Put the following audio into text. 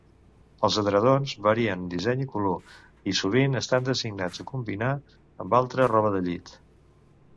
Els edredons varien en disseny i color, i sovint estan designats a combinar amb altra roba de llit.